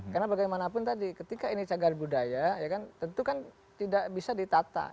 karena bagaimanapun tadi ketika ini cagar budaya tentu kan tidak bisa ditata